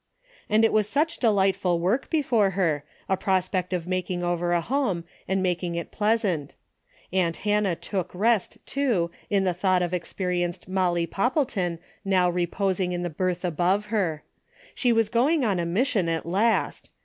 And it was such delightful work before her, a prospect of making over a home and making it pleasant. Aunt Hannah took rest, too, in the thought of experienced Molly Poppleton now reposing in the berth above her. She was going on a mission at last.